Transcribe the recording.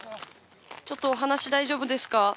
ちょっとお話大丈夫ですか？